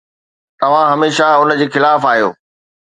توهان هميشه ان جي خلاف آهيو